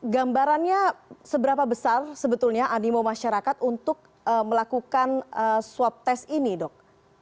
gambarannya seberapa besar sebetulnya animo masyarakat untuk melakukan swab test ini dok